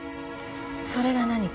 それが何か？